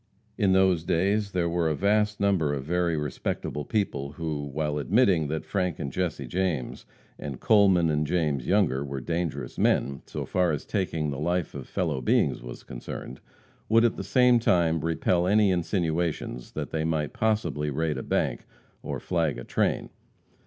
In those days there were a vast number of very respectable people who, while admitting that Frank and Jesse James, and Coleman and James Younger, were dangerous men, so far as taking the life of fellow beings was concerned, would at the same time repel any insinuations that they might possibly raid a bank or flag a train.